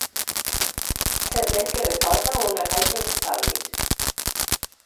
Servent que recorda una caixa d'estalvis.